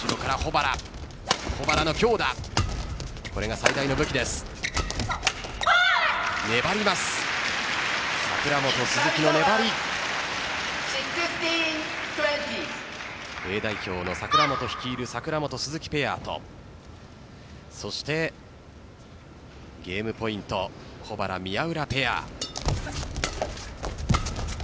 Ａ代表の櫻本率いる櫻本・鈴木ペアとそして、ゲームポイント保原・宮浦ペア。